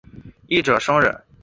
一者生忍。